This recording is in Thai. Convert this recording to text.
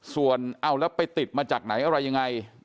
ส่วนเอาแล้วไปติดมาจากไหนอะไรยังไง